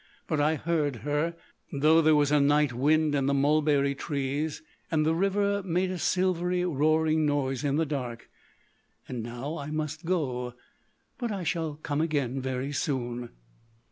But I heard her, though there was a night wind in the mulberry trees, and the river made a silvery roaring noise in the dark.... And now I must go. But I shall come again very soon."